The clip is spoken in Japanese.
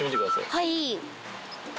はい。